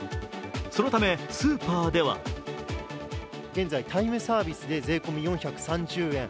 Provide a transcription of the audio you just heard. そのためスーパーでは現在、タイムサービスで税込み４３０円。